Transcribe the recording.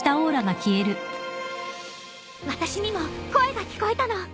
私にも声が聞こえたの。